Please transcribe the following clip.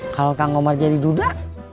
kalau kang omar jadi duda